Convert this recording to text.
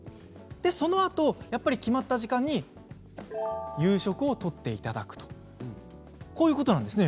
そのあとやっぱり決まった時間に夕食をとっていただくとこういうことなんですね。